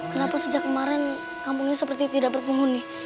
kenapa sejak kemarin kampung ini seperti tidak berpenghuni